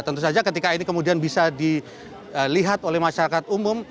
tentu saja ketika ini kemudian bisa dilihat oleh masyarakat umum